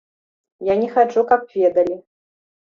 Я не хачу, каб ведалі.